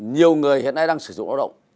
nhiều người hiện nay đang sử dụng áo động